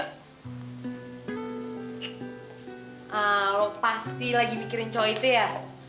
kalau pasti lagi mikirin cowok itu ya